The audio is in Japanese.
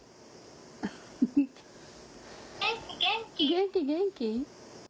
元気元気。